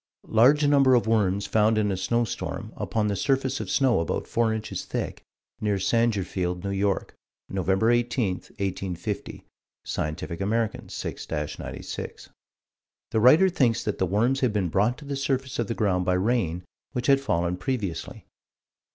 Large number of worms found in a snowstorm, upon the surface of snow about four inches thick, near Sangerfield, N.Y., Nov. 18, 1850 (Scientific American, 6 96). The writer thinks that the worms had been brought to the surface of the ground by rain, which had fallen previously.